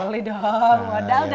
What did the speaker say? beli dong wadah dong